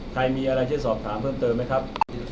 ใครมีอะไรช่วยสอบถามเพิ่มเติมไหมครับ